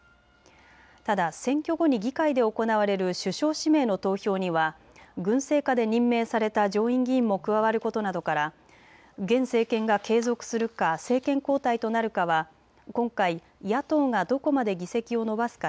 ただ選挙後に議会で行われる首相指名の投票には軍政下で任命された上院議員も加わることなどから現政権が継続するか、政権交代となるかは今回、野党がどこまで議席を伸ばすか